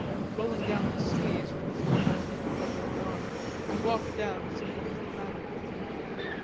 Rolling down his sleeves, with his tunic hitched over one arm, he walked down to see what was the matter.